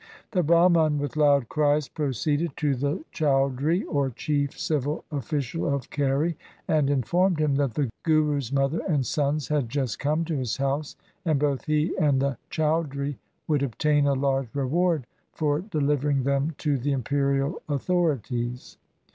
The Brahman with loud cries proceeded to the Chaudhri, or chief civil official of Kheri, and in formed him that the Guru's mother and sons had just come to his house, and both he and. the Chaudhri. would obtain a large reward for delivering them to the imperial authorities.